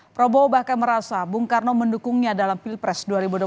prabowo bahkan merasa bung karno mendukungnya dalam pilpres dua ribu dua puluh